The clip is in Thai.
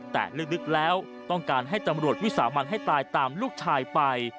แต่ลึกแล้วต้องการให้ตำรวจวิสามันให้ตายตามลูกชายไป